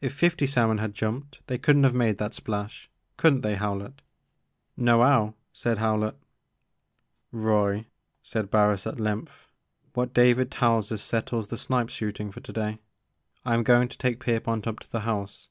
If fifty salmon had jumped they could n't have made that splash. Could n't they, Howlett?" *• No 'ow," said Howlett. Roy," said Barris at length, what David tells us settles the snipe shooting for to day. I am going to take Pierpont up to the house.